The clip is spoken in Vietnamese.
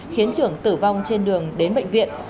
khiến trưởng tử vong trên đường đến bệnh viện